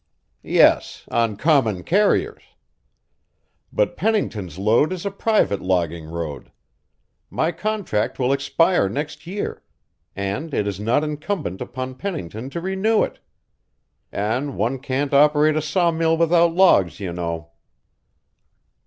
"Yes on common carriers. But Pennington's load is a private logging road; my contract will expire next year, and it is not incumbent upon Pennington to renew it. And one can't operate a sawmill without logs, you know."